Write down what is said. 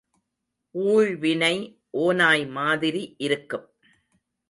ஊழ்வினை ஓநாய் மாதிரி இருக்கும்.